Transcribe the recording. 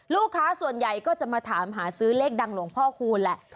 ลูกค้าส่วนใหญ่ก็จะมาถามหาซื้อเลขดังหลวงพ่อคูณแหละ